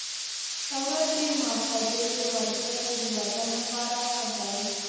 د ورځې معتدل ورزش د بدن لپاره ښه دی.